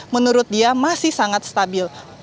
menurut dia masih sangat stabil